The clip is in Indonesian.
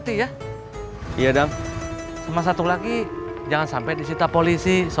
tinggal di luar negeri teh berat cu